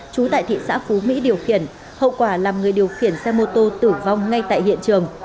chú tại thị xã phú mỹ điều khiển hậu quả làm người điều khiển xe mô tô tử vong ngay tại hiện trường